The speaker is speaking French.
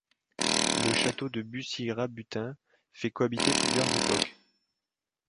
Le château de Bussy-Rabutin fait cohabiter plusieurs époques.